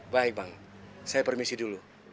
baik bang saya permisi dulu